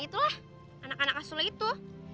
itulah anak anak asli itu